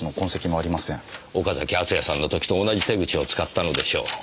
岡崎敦也さんの時と同じ手口を使ったのでしょう。